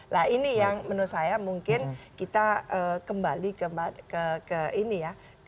nah ini yang menurut saya mungkin kita kembali ke ini ya